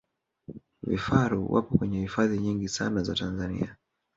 vifaru wapo kwenye hifadhi nyingi sana za tanzania